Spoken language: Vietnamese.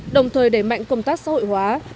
đồng thời đẩy mạnh công tác xã hội hóa